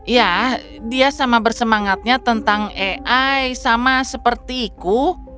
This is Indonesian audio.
ya dia sama bersemangatnya tentang ai sama seperti ku